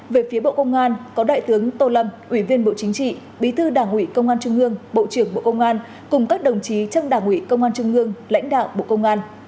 về phía bộ công an có đại tướng tô lâm ủy viên bộ chính trị bí thư đảng ủy công an trung ương bộ trưởng bộ công an cùng các đồng chí trong đảng ủy công an trung ương lãnh đạo bộ công an